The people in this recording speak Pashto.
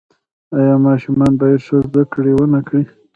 آیا ماشومان باید ښه زده کړه ونکړي؟